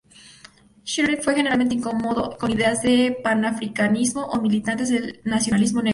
Shearer fue generalmente incómodo con ideas del panafricanismo o militantes del nacionalismo negro.